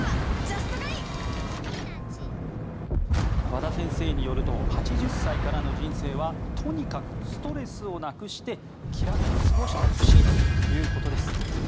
和田先生によると８０歳からの人生はとにかくストレスをなくして気楽に過ごしてほしいということです。